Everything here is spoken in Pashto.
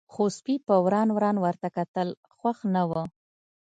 خو سپي په وران وران ورته کتل، خوښ نه و.